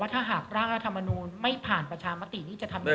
ถ้าหากร่างรัฐมนูลไม่ผ่านประชามตินี้จะทำยังไง